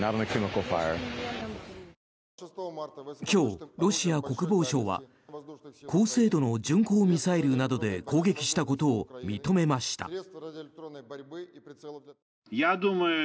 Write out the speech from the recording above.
今日、ロシア国防相は高精度の巡航ミサイルなどで攻撃したことを認めました。